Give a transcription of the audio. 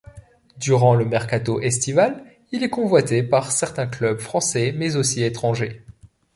Durant le mercato estival il est convoité par certains clubs français mais aussi étrangers.